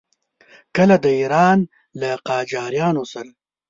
کله د ایران له قاجاریانو سره.